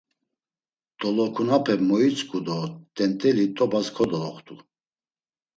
Dolokunupe moitzǩu do t̆ent̆eli t̆obas kodoloxtu.